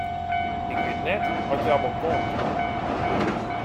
Ik wit net oft hja wol komt.